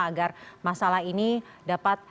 agar masalah ini dapat